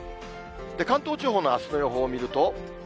関東地方のあすの予報を見ると。